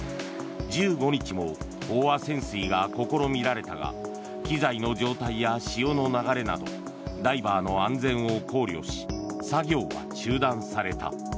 １５日も飽和潜水が試みられたが機材の状態や潮の流れなどダイバーの安全を考慮し作業が中断された。